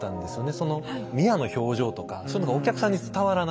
ミアの表情とかそういうのがお客さんに伝わらない。